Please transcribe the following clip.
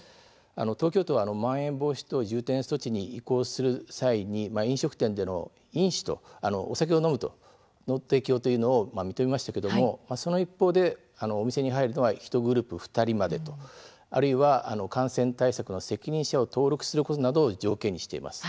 東京都はまん延防止等重点措置に移行する際に飲食店でのお酒の提供を認めましたがその一方で、お店に入るのは１グループ２人まであるいは感染対策の責任者を登録することなどを条件にしています。